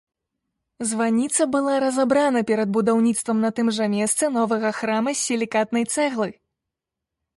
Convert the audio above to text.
Званіца была разабрана перад будаўніцтвам на тым жа месцы новага храма з сілікатнай цэглы.